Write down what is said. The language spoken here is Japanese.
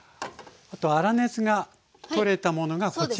あと粗熱が取れたものがこちらですね。